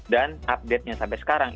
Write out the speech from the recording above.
dan update nya sampai sekarang